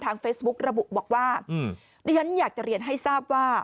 เฟซบุ๊กระบุบอกว่าดิฉันอยากจะเรียนให้ทราบว่า